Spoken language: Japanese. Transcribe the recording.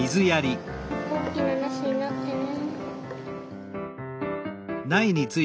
大きなナスになってね。